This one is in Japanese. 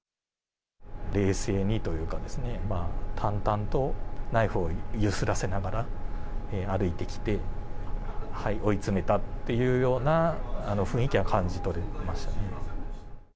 冷静にというか、淡々とナイフを揺すらせながら歩いてきて、はい、追い詰めたというような雰囲気は感じ取りましたね。